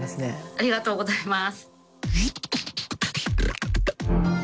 ありがとうございます。